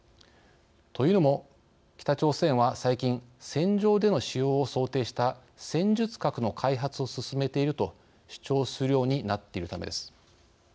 というのも北朝鮮は最近戦場での使用を想定した戦術核の開発を進めていると主張するようになっているためです。